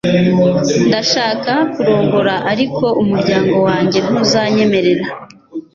Ndashaka kurongora ariko umuryango wanjye ntuzanyemerera